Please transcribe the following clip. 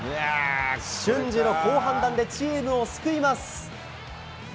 瞬時の好判断でチームを救います。